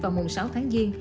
vào mùng sáu tháng giêng